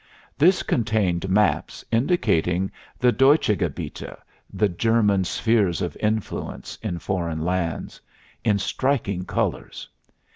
This contained maps indicating the Deutsche Gebiete (the German "spheres of influence" in foreign lands) in striking colors.